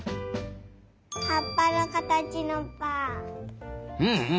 はっぱのかたちのぱん。